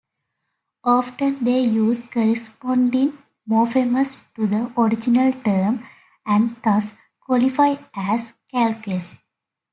Often they use corresponding morphemes to the original term, and thus qualify as calques.